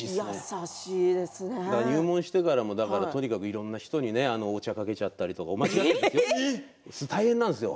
入門してからいろんな人にお茶をかけちゃったりとか大変なんですよ。